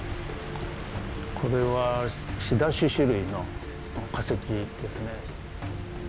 これはシダ種子類の化石ですね。